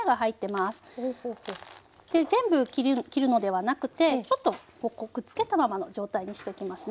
で全部切るのではなくてちょっとここくっつけたままの状態にしておきますね。